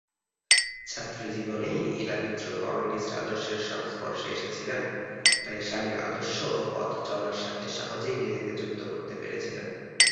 ছাত্রী জীবনেই ইলা মিত্র কমিউনিস্ট আদর্শের সংস্পর্শে এসেছিলেন, তাই স্বামীর আদর্শ ও পথ চলার সাথে সহজেই নিজেকে যুক্ত করতে পেরেছিলেন।